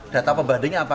data pebadanya apa